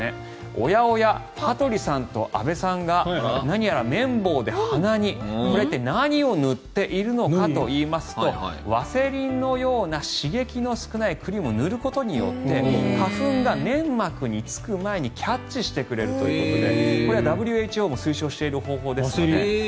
おやおや、羽鳥さんと安部さんが何やら綿棒で鼻にこれって何を塗っているのかといいますとワセリンのような刺激の少ないクリームを塗ることによって花粉が粘膜につく前にキャッチしてくれるということでこれはＷＨＯも推奨しているという方法です。